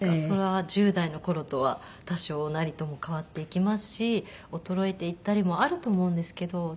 それは１０代の頃とは多少なりとも変わっていきますし衰えていったりもあると思うんですけど。